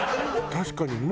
確かに。